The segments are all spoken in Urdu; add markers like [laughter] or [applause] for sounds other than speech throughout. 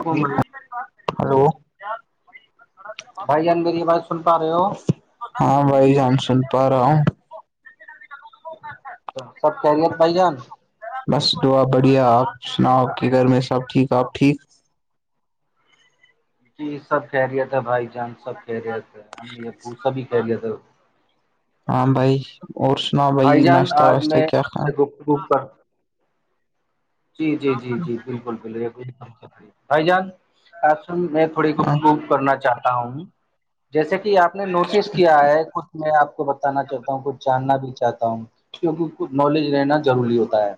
حکم بھائی ہلو بھائی جان میری آواز سن پا رہے ہو ہاں بھائی جان سن پا رہا ہوں سب خیریت بھایی جان بس دعا بڑھیا آپ سناؤ آپ کے گھر میں سب ٹھیک آپ ٹھیک جی سب خیریت ہے بھائی جان سب خیریت ہے ہمم یہ سبھی خیریت ہے ہاں بھائی اور سنا بھائی جان ناشتہ آج واشہ میں کیا آپ کھا [unintelligible] جی جی جی جی بالکل بالکل بھائی جان آپ سن میں تھوڑی ہاں گفتگوف کرنا چاہتا ہوں جیسے کہ آپ نے نوٹس کیا ہے کچھ میں آپ کو بتانا چاہتا ہوں کچھ جاننا بھی چاہتا ہوں کیونکہ کچھ نالج رہنا ضروری ہوتا ہے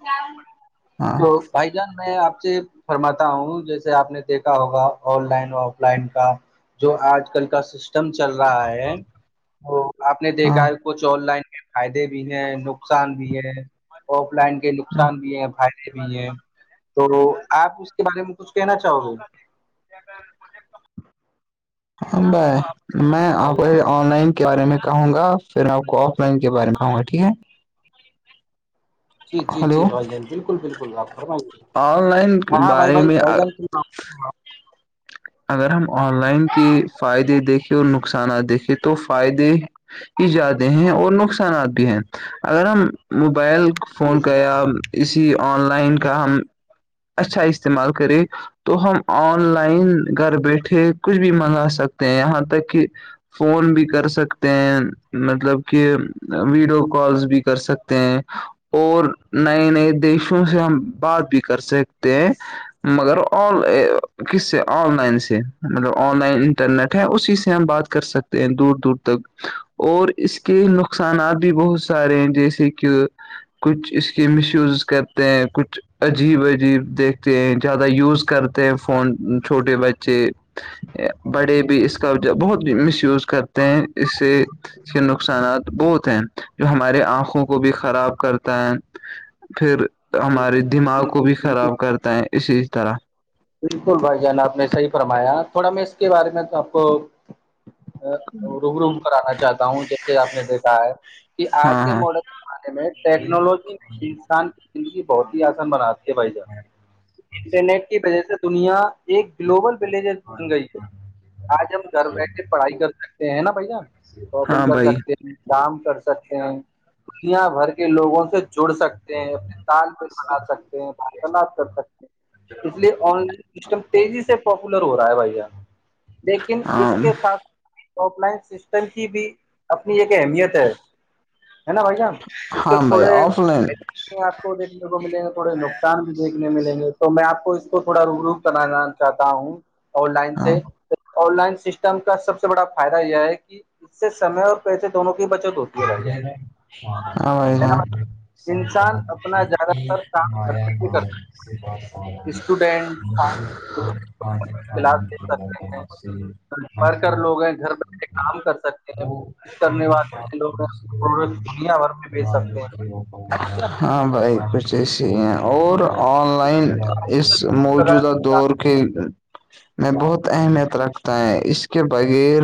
ہاں تو بھائی جان میں آپ سے فرماتا ہوں جیسے آپ نے دیکھا ہوگا آن لائن آف لائن کا جو آج کل کا سسٹم چل رہا ہے وہ آپ نے ہاں دیکھا ہے کچھ آن لائن فائدے بھی ہیں نقصان بھی ہے آف لائن کے نقصان بھی ہیں فائدے بھی ہے تو آپ اس کے بارے میں کچھ کہنا چاہو گے [inaudible] بھائی میں بھائی آپ جان آن لائن کے بارے میں کہوں گا پھر میں آپ کو آف لائن کے بارے میں کہوں گا ٹھیک ہے جی جی جی ہلو بھائی جان بالکل بالکل آپ فرمائیے آن لائن ہاں کے ہاں بھائی بارے بھائی میں بھائی جان [unintelligible] اگر ہم آن لائن کے فائدے دیکھیں اور نقصانات دیکھیں تو فائدے ہی زیادہ ہیں اور نقصانات بھی ہیں اگر ہم موبائل جی فون جی کا یا کسی آن لائن کا ہم اچھا استعمال کریں تو ہم آن لائن گھر بیٹھے کچھ بھی منگا سکتے ہیں یہاں تک کہ فون بھی کر سکتے ہیں مطلب کہ ویڈیو کالس بھی کر سکتے ہیں اور نئے نئے دیشوں سے ہم بات بھی کر سکتے ہیں مگر آن کس سے آن لائن سے مطلب آن لائن انٹرنیٹ ہے اسی سے ہم بات کر سکتے ہیں دور دور تک اور اس کے نقصانات بھی بہت سارے ہیں جیسے کہ کچھ اس کی مس یوزز کرتے ہیں کچھ عجیب عجیب دیکھتے ہیں زیادہ یوز کرتے ہیں فون چھوٹے بچے بڑے بھی اس کا بہت مس یوز کرتے ہیں اس سے اس کے نقصانات بہت ہیں جو ہماراری آنکھوں کو بھی خراب کرتا ہے پھر جی ہمارے جی جی دماغ کو بالکل بھی بالکل خراب کرتا ہے اسی طرح بالکل بھائی جان آپ نے صحیح فرمایا تھوڑا میں اس کے بارے میں تو آپ کو روم روم کرانا چاہتا ہوں جیسے آپ نے دیکھا ہے کہ آج ہاں کے ہاں ماڈن زمانے میں ٹیکنالوجی نے انسان کی زندگی بہت ہی آسان بناتی ہے بھائی جان انٹرنیٹ کی وجہ سے دنیا ایک گلوبل ولیجر بن گئی ہے آج ہم گھر بیٹھے پڑھائی کر سکتے ہیں نا بھیا شاپنگ ہاں کر بھائی سکتے ہیں کام کر سکتے ہیں دنیا بھر کے لوگوں سے جڑ سکتے ہیں اپنے تال پل بنا سکتے ہیں بلاات کر سکتے ہیں اس لیے آن لائن سسٹم تیزی سے پاپولر ہو رہا ہے بھیا لیکن ہاں اس کے ساتھ ساتھ آف لائن سسٹم کی بھی اپنی ایک اہمیت ہے ہے نا بھیا اس کے ہاں بھائی تھوڑے آف لائن آپ کو دیکنے کو ملیں گے تھوڑے نقصان بھی دیکھنے ملیں گے تو میں آپ کو اس کو تھوڑا روب روخ کرا گ چاہتا ہوں آن لائن ہاں سے تو آن لائن سسٹم کا سب سے بڑا فائدہ یہ ہے کہ اس سے سمے اور پیسے دونوں کی بچت ہوتی ہے بھائییا آئی جا بھائی؟ انسان سطنت اپنا زیادہ تر ما کام ن کر اسٹوڈینٹ کلاس لے سکتے ہیں شور ورکر لوگ ہیں گھر بیٹھے کام کر سکتے ہیں وہ ف ن ہاں بھائی کچھ ایسے ہی ہیں اور آن لائن اس موجودہ دور کے میں بہت اہمیت رکھتا ہے اس کے بغیر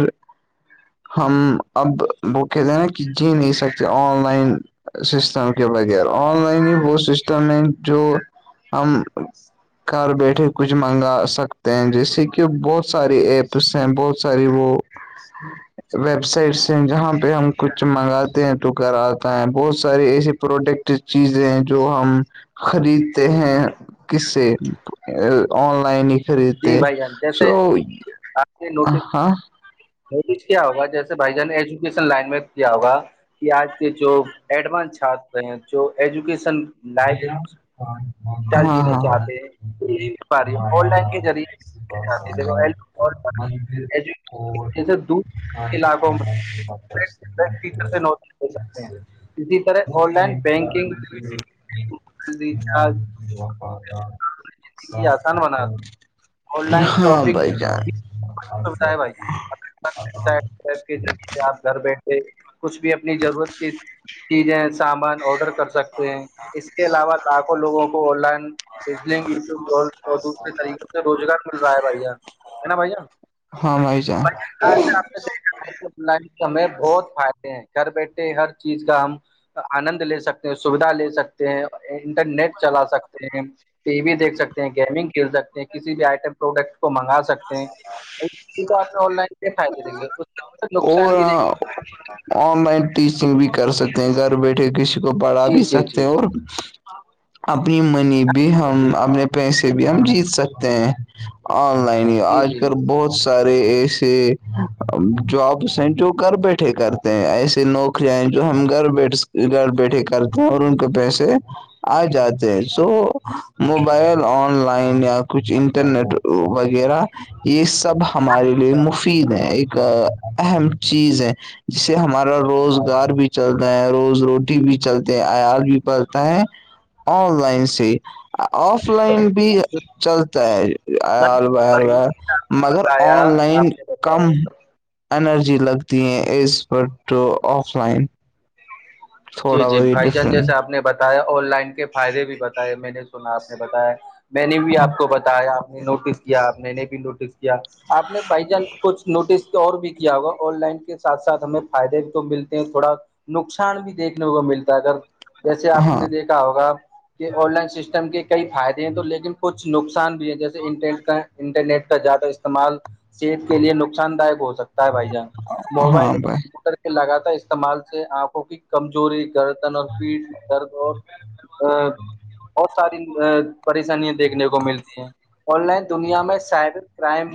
ہم اب وہ کہتے نا کہ جی نہیں سکتے آن لائن سسٹم کے بغیر آن لائن ہی وہ سسٹم ہے جو ہم گھر بیٹھے کچھ منگا سکتے ہیں جیسے کہ بہت سارے ایپس ہیں بہت ساری وہ ویب سائٹس ہیں جہاں پہ ا ہم کچھ منگا تو گھر آتا ہے بہت سارے ایس پروڈکٹ چیزیں ہیں جو ہم خریدتے ہیں کس سے آن لائن ہی جی خریے بھائی جان سو جیسے ہاں یہ کچھ کیا ہوگ جیسے بھائی جان ایجوکیشن لائن میں کیا ہوگا کہ آج کے جو ایڈوانس چات ہیں جو ایجوکیشن لائف بییر اسٹائل جینے چاہتے ہیں ہاں وہ نہیں مل پا رہی ہے، آن لائن کے ہاں ذریعے ہم پ دودھ سے نوٹس لے سکتے ہیں ہاں اسی طرح آن لائن بینکنگ ریچارج وا پ تھاہ زندگی آسان بناتی ہے آن لائن ہاں شاپنگ بھائی جان سوھا ہے بھائیپ گھر بیٹھے کچھ بھی اپنی ضرورت کی چیزیں سامان آڈر کر سکتے ہیں اس کے علاوہ لاکھوں لوگوں کو آن لائن فلنگ یوب ادوگ کے طریقوں سے روزگار مل رہا ہے بھیا ہے ن بھائییا ہاں بھائی جان آج آپ نے دیکھا لائن ہمیں بہت فائدے ہیں گھر بیٹھے ہر چیز کا ہم آنند لے سکتے ہیں سویدھا لے سکتے ہیں انٹرنیٹ چلا سکتے ہیں ٹی وی دیکھ سکتے ہیں گیمنگ کھیل سکتے ہیں کسی بھی آئٹم پروڈکٹ کو منگا سکتے ہیں آپ نے آن لائن پ کھیک نقصان اور بھی دیک آن لائن ٹیچنگ بھی کر سکتے ہیں گھر بیٹھے کسی کو بڑھا بھی سکتے ہیں اور ہ اپنی منی بھی ہم اپنے پیسے بھی ہم جیت سکتے ہیں اور ینی آج جی کل بہت سارے ایسے جابس ہیں جو کر بیٹھے کرتے ہیں ایسے لو کھئے جو ہم گھر بیھ گھر بیٹھے کرتے ہیں اور ان کے پیسے آ جاتے ہیں سو موبائل آن لائن یا کچھ انٹرنیٹ وہ وغیرہ یہ سب ہمارے لیے مفید ہے ایک اہم چیز ہے جس سے ہمارا روزگار بھی چلتا ہے روز روٹی بھی چلتے ہیں آیات بھی پلتا ہے آن لائن سے آف لائن بھی چلتا ہے مگر بتایا آن لائن آپ نے کم بتایا انرجی لگتی ہیں ایزپ ٹو آف لائن [unintelligible] جی تھوڑا جی وہی بھائی جان جیسے ڈفرنٹ آپ نے بتا [unintelligible] آن لائن کے فائدے بھی بتاائے میں نے سنا آپ نے بتایا میں نے بھی آپ کو بتا [unintelligible] یا آپ نے نوٹس کیا آپ نے بھی نوٹس کیا آپ نے بائی جان کچھ نوٹس [unintelligible] اور بھی کیا ہوگا آن لائن کے سھ ساتھ ہمیں فائدے بھی تو ملتے ہیں تھوڑا نقصان بھی دیکھنے کو ملتا اگر جیسے آپ ہاں نے دیکھا ہوگا [unintelligible] کہ آن لائن سسٹم کے کئی فائدے ہیں تو لیکن کچھ نقصان بھی ہے جیسے انٹرنیٹ کا انٹرنیٹ کا زیادہ استعمال صحت کے لیے نقصان داک ہو سکتا ہے بھائی جان موبائل ہاں بھائی کمپوٹر لگاتار استعمال سے آنکھوں کی کمزوری گردن اور پیٹ درد اور ا بہت ساری پریشانییاں دیکھنے کو ملتی ہیں [unintelligible] آن لائن دنیا میں سائبر کرائم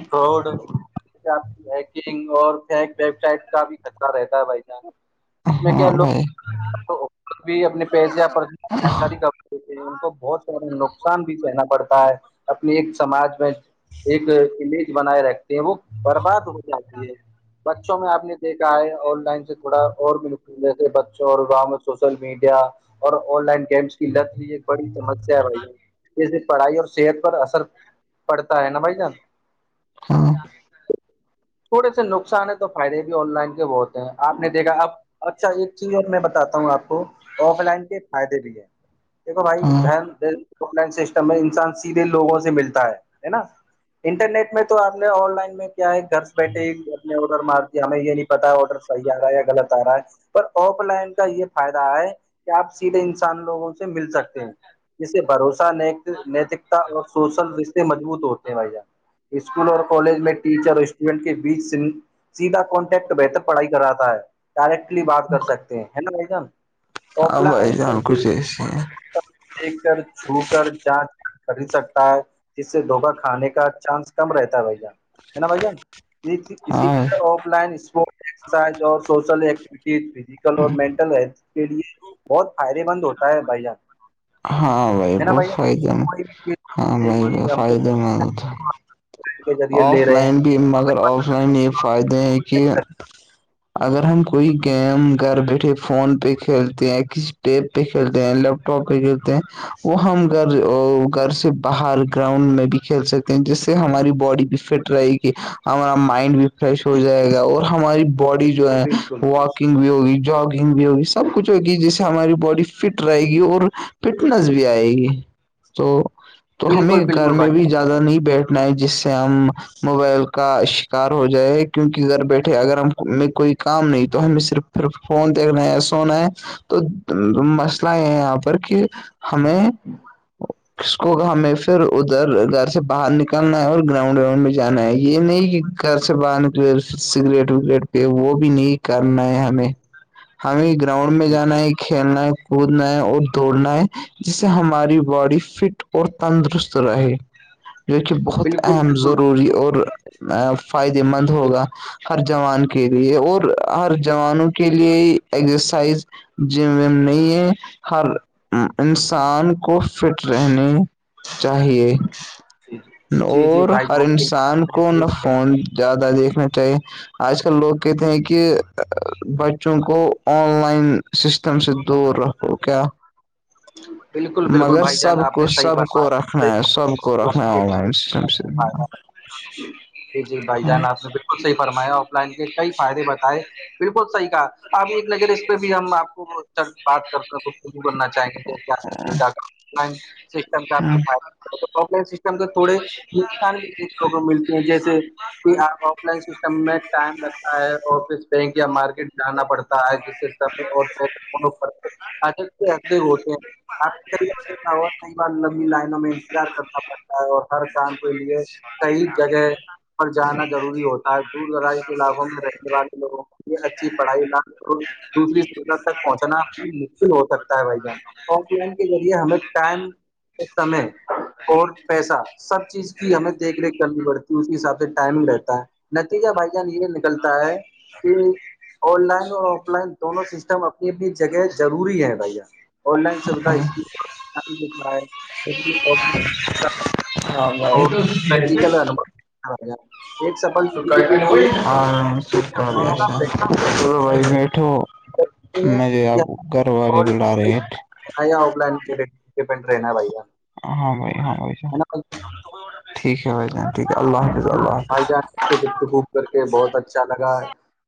نگ اور ویب سائٹ کا بھی خطرہ رہتا ہے بائی چانس ج میں کیا ہاں لوگ بھائی تو بھی اپنے پیسیاب پر ہاں جانکاری کر [unintelligible] ان کو بہت سارا نقصان بھی سنا پڑتا ہے اپنے ایک سماج میں [unintelligible] ایک امیج بنائے رکھتے ہیں وہ برباد ہو جاتی ہے بچوں میں آپ نے دیکھا ہے آن لائن سے تھوڑا اور بھی ن [unintelligible] جیسے بچوں اور گاؤں میں سوشل میڈیا اور آن لائن [unintelligible] گمس کی لت بھی ایک بڑی سمسیا رہی ہےسے پڑھائی اور صحت پر اثر پڑتا ہے نا بھائی جان ہاں [unintelligible] تھوڑے سے نقصان ہے تو فائدے بھی آن لائن کے بہتے ہیں آپ نے دیکھا اب اچھا ایک چیز اور میں بتاتا ہوں آپ کو کو آف لائن کے فائدے بھی ہیں دیکھو بھائی ہاں دن د آن لائن سسٹم میں انسان سیدھے لوگوں سے ملتا ہے ہے نا انٹرنیٹ میں تو آپ نے آن لائن میں کیا ہے گھر سے بیٹھے ہی اپنے آڈر مارتی ہے ہمیں یہ نہیں پتا ہے آرڈر صحیح آ رہا غط آ رہا ہے پر آف لائن کا یہ فائدہ ہے کہ آپ سیھے انسان لوگوں سے مل سکتے ہیں ج سے بھروسہ ن نیتکتا اور سوشل رشتے مضبوط ہوتے ہیں بھیا اسکول اور کالج میں ٹیچر ونٹ کے بیچ سے سیدھا کانٹیکٹ بہتر پڑھائی کر رہا ہے ڈائریکٹلی بات کر سکتے ہے نا وھ گان [unintelligible] ہاں بھائی جان کچھ ایسی ہے دیک کر چھو کر جانچ کر ہی سکتا ہے [unintelligible] جس سے دھوکا کھانے کا چانس کم رہتا ہے بھائی جان [unintelligible] ہے نا بھ جان اسی ہاں طرح آف لائن اسپ [unintelligible] اور سوشل ایکٹیوٹیز فیزیکل اور مینٹل ھ کے لیے بہت فائدے مند ہوتا ہے بھائی جان ہاں بھائی ہے نا بہت جان فائدے میں کوئی بھی چیز ہاں بائی فائدے مند ہو تھا اس کے ذریعے لے رہے ہیں [unintelligible] مگر آف لائن یہ فائدے ہیں کہ اگر ہم کوئی گیم گھر بیٹھے فون پہ کھیلتے ہیں کسی پ پہ کھیلتے ہیں لیپ ٹاپ پہ کھیلتے ہیں وہ ہم گھر گھر سے باہر گراؤنڈ میں بھی کھیل سکتے ہیں جس سے ہماری باڈی بھی فٹ رہے گی ہمارا مائنڈ بھی فریش ہو جی جی جائے گا اور ہماری باڈی جو ہے بالکل و نگ بھی ہوگی جگنگ بھی ہوگی سب کچھ ہوگی جس سے ہماری باڈی فٹ رہے گی اور فٹنس بھی آئے گی تو [unintelligible] تو ہمیں بالکل گھر بالکل میں بھائی بھی زیادہ نہیں بیٹھنا ہے جس سے ہم موبائل کا شکار ہو جائے کیونکہ گھر بیٹھے اگر ہم کوئی کام نہیں تو ہمیں صرف پھر فون دیکھنا ہے سونا ہے تو مسئلہ یہ ہے یہاں پر کہ [unintelligible] ہمیں اس کو ہمیں پھر ادھر گھر سے باہر نکلنا ہے اور گراؤنڈ وراؤنڈ میں جانا ہے یہ نہیں کہ گھر سے باہر سگریٹ وگریٹ پہ وہ بھی نہیں [unintelligible] کرنا ہے ہمیں ہمیں گراؤنڈ میں جانا ہے کھیلنا ہے کودنا ہے اور دوڑنا ہے جس سے ہماری باڈی فٹ اور تندرست رہے جو کہ بہت اہم ضروری اور ا فائدے مند ہوگا [unintelligible] ہر جوان کے لیے اور ہر جوانوں کے لیے ایزرسائز ج وم نہیں ہے ہر انسان کو فٹ رہنے چاہیے جی جی جی جی اور بھائی ہر جان بالکل انسان آپ نے کو نہ صحیح کہا۔ فون زیادہ دیکھنا چاہیے آج کل لوگ کہتے ہیں کہ بچوں کو آن لائن سسٹم سے دور رکھو کیا بالکل بالکل مگر بھائی سب جان آپ کو نے صحیح سب کو رکھنا ہے سب کو رکھنا ہوگا فرمایا جی جی بھائی ہاں جان [inaudible] آپ نے بالکل صح فرمایا آف لائن کے کئی فائدے بتائے بالکل صحیح کا اب ایک نظر اس پہ بھی ہم آپ کو سر بات کر تو شروع کرنا چاہیں گے آ لائن سٹم کا آ لائن سم [unintelligible] تھوڑے نقصان بھی دیکھنے کو ملتے ہیں جیسے کہ آپ آف لائن س [unintelligible] میں ٹائم لگتا ہے آفس بینک یا مارکیٹ جانا پڑتا ہے جس سے س [unintelligible] اچھا تو ایک د ہی ہوتے ہیں آپ کو کئی بارا ہو کئی بار لمبی لائنوں میں انتظار کرنا پڑتا ہے اور ہر کام کے لیے صحیح جگہ پر جانا ضروری ہوتا ہے دور دراز کے علاقوں میں رہنے والے لوگوں لی اچھی پڑھائی ل دوسری ست تک پہنچناا مشکل ہو سکتا ہے بھائی جان آف لائن کے ذریعے ہمیں ٹائم سمے اور پیسے سب چیز کی ہمیں دیکھ ریکھ کرنی پڑتی اس کے حساب سے ٹائمنگ رہتا ہے [unintelligible] نتیجہ بھائی جان یہ نکلتا ہے کہ آن لائن اور آف لائن دونوں سسٹم اپنی اپنی جگہ ضروری ہے بھیا [unintelligible] آن لائن سویدھا اس کی دا ہے [unintelligible] ہاں تو آ [inaudible] سا [unintelligible] ہی ہم دونوں کا بیلنس بھائی بیٹھو ہے مھے آپ گھر والے بلا رہے ہیں نہیں آف لائن پ ڈپینڈ رہےنا ہے بھ ہاں بھائی ہاں بھائیان ٹھیک ہے بھائی جان ٹھیک ہے اللہ حاظ ہے نا بھائی جان کر کے دکتکوب کر کے بہت اچھا لگا